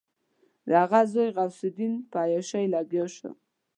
د هغه زوی غیاث الدین په عیاشي لګیا شو.